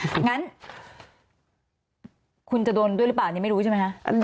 งั้นคุณจะโดนด้วยหรือเปล่านี่ไม่รู้ใช่ไหมคะ